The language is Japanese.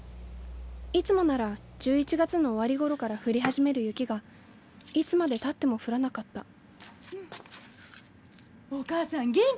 いつもなら１１月の終わり頃から降り始める雪がいつまでたっても降らなかったお母さん元気？